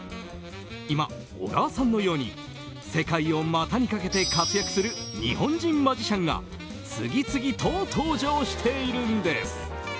今、緒川さんのように世界をまたにかけて活躍する日本人マジシャンが次々と登場しているんです。